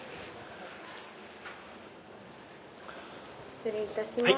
失礼いたします